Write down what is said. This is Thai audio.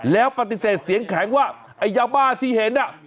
แล้วปฏิเสธเสียงแข็งว่าไอ้ยาบ้าที่เห็น